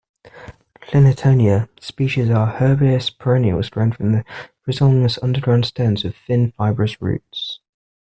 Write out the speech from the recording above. "Clintonia" species are herbaceous perennials growing from rhizomatous underground stems with thin, fibrous roots.